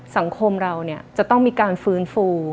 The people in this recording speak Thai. สังคมเราจะต้องมีการฟื้นฟู